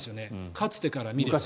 かつてから見ると。